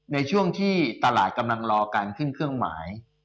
ในช่วงที่ตลาดกำลังรอการขึ้นเครื่องหมาย